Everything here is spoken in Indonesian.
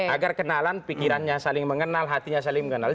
agar kenalan pikirannya saling mengenal hatinya saling mengenal